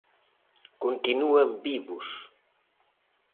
Continúan vivos.